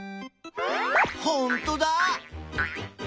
ほんとだ！